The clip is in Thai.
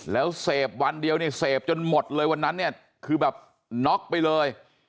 แล้วเสพวันเดียวเนี่ยเสพจนหมดเลยวันนั้นเนี่ยคือแบบน็อกไปเลย